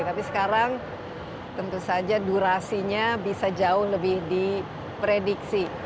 tapi sekarang tentu saja durasinya bisa jauh lebih diprediksi